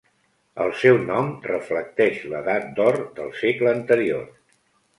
El seu nom reflecteix l'edat d'or del segle anterior.